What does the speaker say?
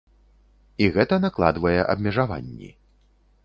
І гэта накладвае абмежаванні.